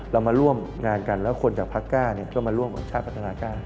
เรามาร่วมงานกันแล้วคนจากพักก้าก็มาร่วมกับชาติพัฒนากล้า